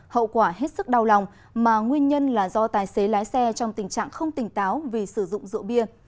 hậu quả hết sức đau lòng mà nguyên nhân là do tài xế lái xe trong tình trạng không tỉnh táo vì sử dụng rượu bia